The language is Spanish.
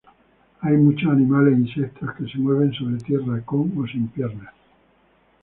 Hay muchos animales e insectos que se mueven sobre tierra con o sin piernas.